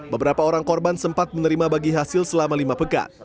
beberapa orang korban sempat menerima bagi hasil selama lima pekan